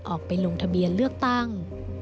ออกไปลงทะเบียนเลือกตั้ง